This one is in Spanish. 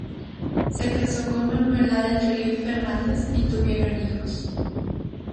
Se casó con Manuela del Río y Fernández y tuvieron hijos.